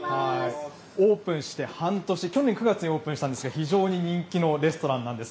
オープンして半年、去年９月にオープンしたんですが、非常に人気のレストランです。